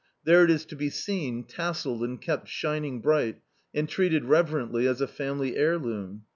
There it is to be seen tas scUed and kept shining bright, and treated reverently as a family heirloom.